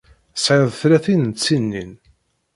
Tesεiḍ tlatin n tsinin.